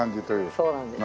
そうなんです。